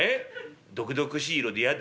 「毒々しい色でやだ」。